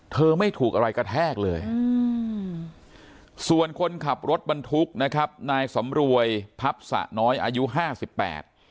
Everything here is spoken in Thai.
ไม่ถูกอะไรกระแทกเลยอืมส่วนคนขับรถบรรทุกนะครับนายสำรวยพับสะน้อยอายุห้าสิบแปด